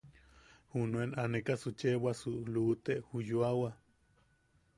Junuen anekasu cheʼebwasu luʼute ju yoawa.